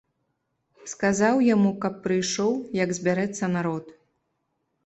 Сказаў яму, каб прыйшоў, як збярэцца народ.